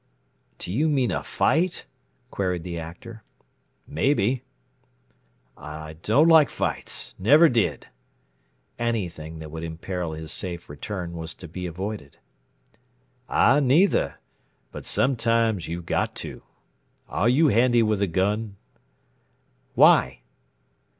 "Do you mean a fight?" queried the Actor. "Maybe." "I don't like fights never did." Anything that would imperil his safe return was to be avoided. "I neither but sometimes you've got to. Are you handy with a gun?" "Why?"